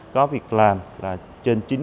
có việc làm là trên chín mươi ba